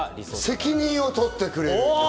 責任を取ってくれる。